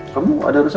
kamu ada urusan